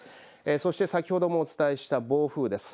そして先ほどもお伝えした暴風です。